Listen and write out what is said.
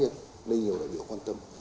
nên nhiều đại biểu quan tâm